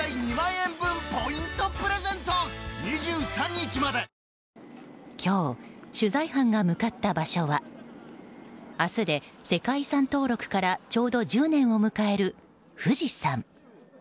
支持率も調査も今日、取材班が向かった場所は明日で世界遺産登録からちょうど１０年を迎える富士山。